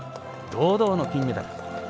堂々の金メダル。